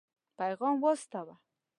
پيغام واستاوه.